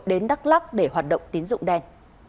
đến đắk lắc để hoạt động tín dụng đen